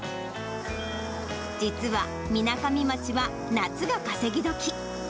実は、みなかみ町は夏が稼ぎどき。